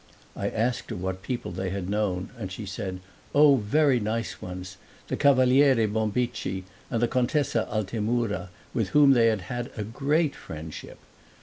I asked her what people they had known and she said, Oh! very nice ones the Cavaliere Bombicci and the Contessa Altemura, with whom they had had a great friendship.